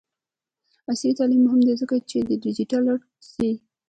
عصري تعلیم مهم دی ځکه چې د ډیجیټل آرټ ښيي.